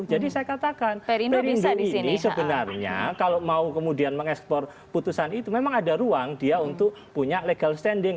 jadi saya katakan perindo ini sebenarnya kalau mau kemudian mengekspor putusan itu memang ada ruang dia untuk punya legal standing